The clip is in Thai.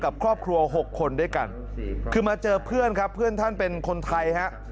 กับครอบครัวหกคนด้วยกันคือมาเจอเพื่อนครับเพื่อนท่านเป็นคนไทยฮะ